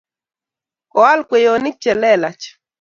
koal kweyonik che lelach